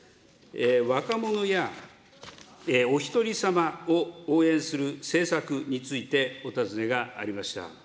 若者やおひとりさまを応援する政策についてお尋ねがありました。